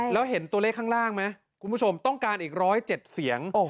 แล้วเห็นตัวเลขข้างล่างไหมคุณผู้ชมต้องการอีก๑๐๗เสียง